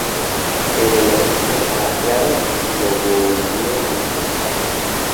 Pero el objetivo estaba claro y lo volvió a intentar.